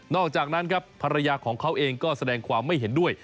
อกจากนั้นครับภรรยาของเขาเองก็แสดงความไม่เห็นด้วย